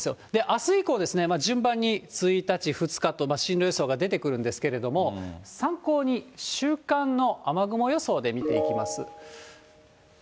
あす以降、順番に１日、２日と、進路予想が出てくるんですけれども、参考に週間の雨雲予想で見ていきます。